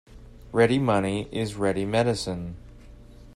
Ready money is ready medicine.